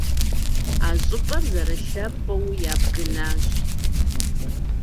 А щӏыпӏэр зэрылъэпкъыу ябгынащ.